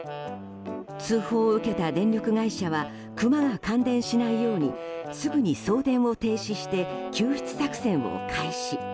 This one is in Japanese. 通報を受けた電力会社はクマが感電しないようにすぐに送電を停止して救出作戦を開始。